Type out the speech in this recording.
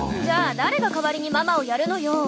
じゃあ誰が代わりにママをやるのよ。